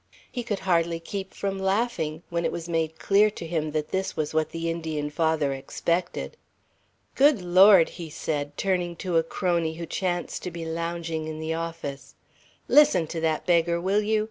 He could hardly keep from laughing, when it was made clear to him that this was what the Indian father expected. "Good Lord!" he said, turning to a crony who chanced to be lounging in the office. "Listen to that beggar, will you?